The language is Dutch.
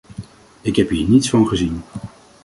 Ik heb hier niets van gezien.